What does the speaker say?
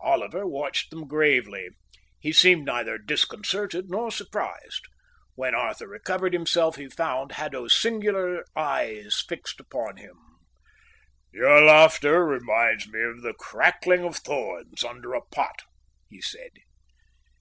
Oliver watched them gravely. He seemed neither disconcerted nor surprised. When Arthur recovered himself, he found Haddo's singular eyes fixed on him. "Your laughter reminds me of the crackling of thorns under a pot," he said.